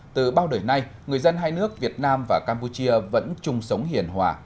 từ bao đời nay người dân hai nước việt nam và campuchia vẫn chung sống hiền hòa